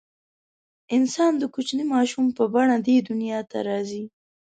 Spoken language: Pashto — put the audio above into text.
انسان د کوچني ماشوم په بڼه دې دنیا ته راځي.